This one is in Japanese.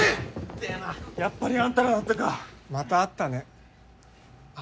痛えなやっぱりあんたらだったかまた会ったねあっ